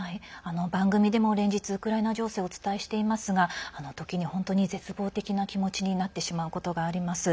番組でも連日ウクライナ情勢をお伝えしていますが時に本当に絶望的な気持ちになってしまうことがあります。